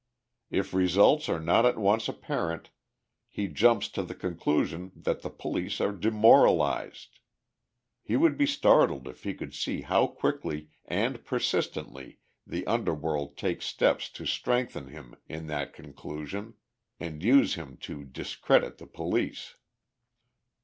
If results are not at once apparent, he jumps to the conclusion that the police are "demoralized." He would be startled if he could see how quickly and persistently the underworld takes steps to strengthen him in that conclusion, and use him to discredit the police.